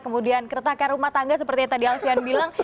kemudian keretakan rumah tangga seperti yang tadi alfian bilang